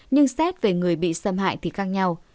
nhưng xét về người bị xâm hại thì khác nhau